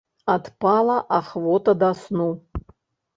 Адпала ахвота да сну.